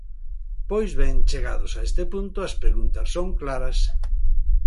Pois ben, chegados a este punto, as preguntas son claras.